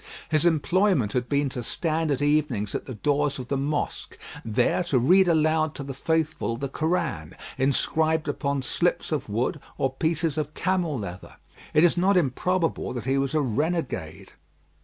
His employment had been to stand at evenings at the doors of the mosque, there to read aloud to the faithful the Koran inscribed upon slips of wood, or pieces of camel leather. It is not improbable that he was a renegade.